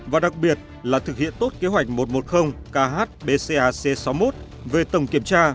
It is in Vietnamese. và đặc biệt là thực hiện tốt kế hoạch một trăm một mươi khbcac sáu mươi một về tổng kiểm tra